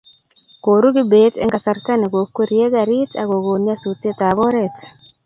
koru kibet eng' kasarta ne kokkwerie garit ak kon nyasutiet ab oret